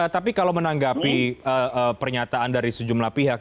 tapi kalau menanggapi pernyataan dari sejumlah pihak